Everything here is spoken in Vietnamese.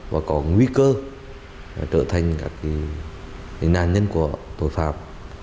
và có nguy cơ trở thành các nạn nhân của tội phạm